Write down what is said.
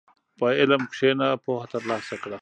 په علم کښېنه، پوهه ترلاسه کړه.